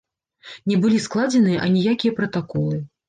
Не былі складзеныя аніякія пратаколы.